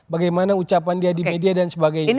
bagaimana ucapan dia di media dan sebagainya